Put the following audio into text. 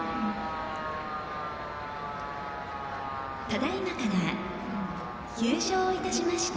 ただいまから優勝をいたしました